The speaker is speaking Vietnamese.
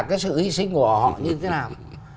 cái sự hy sinh của họ như thế nào